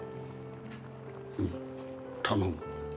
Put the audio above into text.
うん頼む。